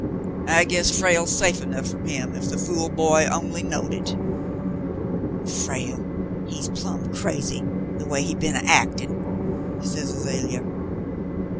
I guess Frale's safe enough f'om him, if the fool boy only know'd hit." "Frale, he's plumb crazy, the way he's b'en actin'," said Azalea.